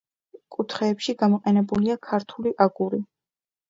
კუთხეებში გამოყენებულია ქართული აგური.